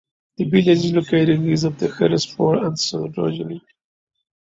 The village is located east of Hednesford and south of Rugeley.